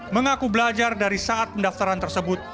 mengaku belajar dari saat pendaftaran tersebut